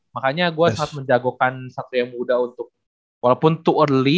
makanya gue sangat menjagokan satu yang muda untuk walaupun to early